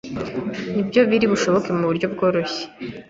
nibyo biri bushoboke muburyo bworoshye